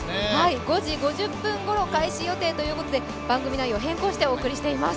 ５時５０分ごろ開始ということで番組内容を変更してお送りしています。